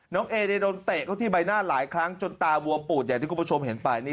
เอโดนเตะเข้าที่ใบหน้าหลายครั้งจนตาบวมปูดอย่างที่คุณผู้ชมเห็นไป